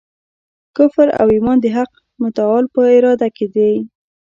کفر او ایمان د حق متعال په اراده کي دی.